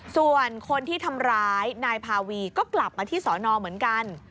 ส่วนคนที่ทำร้ายนายพาวีก็กลับมาที่สอนอเหมือนกัน